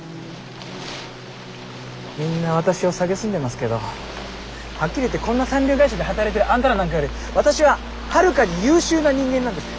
みんな私を蔑んでますけどはっきり言ってこんな三流会社で働いてるあんたらなんかより私ははるかに優秀な人間なんです。